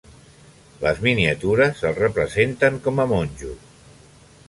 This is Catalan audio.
Les miniatures el representen com a monjo.